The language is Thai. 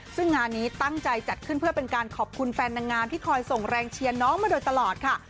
ซึ่งงานนี้ตั้งใจจัดขึ้นเพื่อเป็นการขอบคุณแฟนนางงามที่คอยส่งแรงเชียร์น้องมาโดยตลอดค่ะ